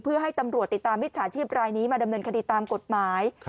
เพื่อให้ตำรวจติดตามมิจฉาชีพรายนี้มาดำเนินคดีตามกฎหมาย